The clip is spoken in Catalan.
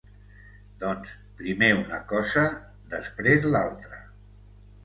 Doncs, primer una cosa, després l'altra.